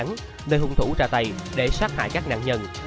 nơi hung thủ ra tay để sát hại các nạn nhân